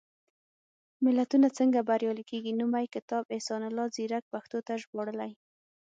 ملتونه څنګه بریالي کېږي؟ نومي کتاب، احسان الله ځيرک پښتو ته ژباړلی.